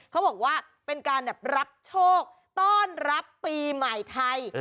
เขาบอกว่าเป็นการรับโชคต้อนรับปีใหม่ไทย